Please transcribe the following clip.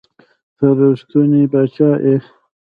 ته رښتونے باچا ئې